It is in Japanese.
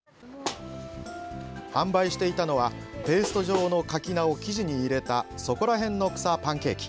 販売していたのはペースト状のかき菜を生地に入れた「そこらへんの草パンケーキ」。